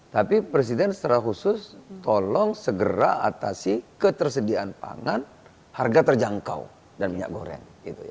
tapi presiden secara khusus tolong segera atasi ketersediaan pangan harga terjangkau dan minyak goreng